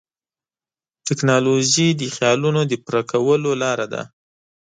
ټیکنالوژي د خیالونو د پوره کولو لاره ده.